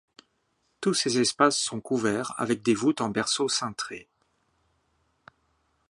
Tous ces espaces sont couverts avec des voûtes en berceaux cintrées.